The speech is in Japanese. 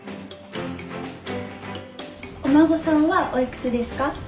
お孫さんはおいくつですか？